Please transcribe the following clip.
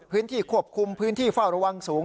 พื้นที่ควบคุมพื้นที่เฝ้าระวังสูง